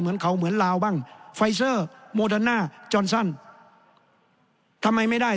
เหมือนเขาเหมือนลาวบ้างไฟเซอร์โมเดิร์น่าจอนซันทำไมไม่ได้